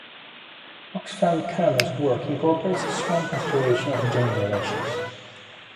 Oxfam Canada's work incorporates a strong consideration of gender relations.